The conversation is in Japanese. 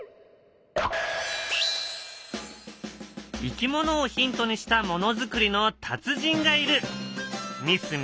いきものをヒントにしたものづくりの達人がいる。